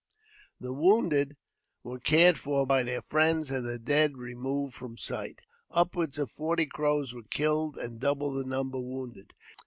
The wounded were cared for by their friends, and the dead removed from sight. Upward of forty Crows were killed, and double the number wounded.